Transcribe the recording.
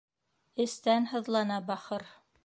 Эстән һыҙлана бахыр.